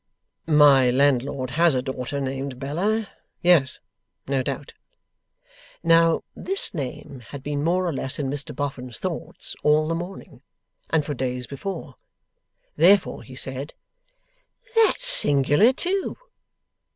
'My landlord has a daughter named Bella. Yes; no doubt.' Now, this name had been more or less in Mr Boffin's thoughts all the morning, and for days before; therefore he said: 'That's singular, too!